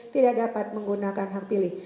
tidak dapat menggunakan hak pilih